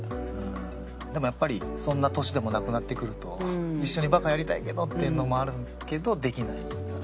でもやっぱりそんな年でもなくなってくると一緒にバカやりたいけどっていうのもあるけどできないから。